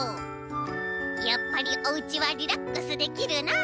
「やっぱりおうちはリラックスできるなあ」。